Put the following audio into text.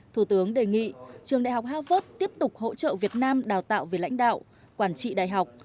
thủ tướng đề nghị trường đại học harvard tiếp tục hỗ trợ việt nam đào tạo về lãnh đạo quản trị đại học